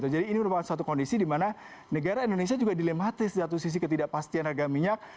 jadi ini merupakan suatu kondisi di mana negara indonesia juga dilematis di satu sisi ketidakpastian harga minyak